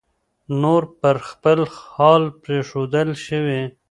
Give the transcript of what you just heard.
نور پر خپل حال پرېښودل شوی